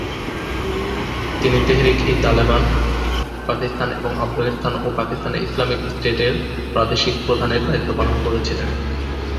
তিনি তেহরিক-ই-তালেবান পাকিস্তান এবং আফগানিস্তান ও পাকিস্তানে ইসলামিক স্টেটের প্রাদেশিক প্রধানের দায়িত্ব পালন করেছিলেন।